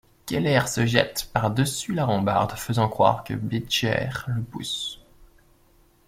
Keller se jette par-dessus la rambarde faisant croire que Beecher le pousse.